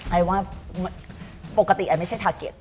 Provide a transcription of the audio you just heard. ไอว่าปกติไอไม่ใช่ทาเก็ต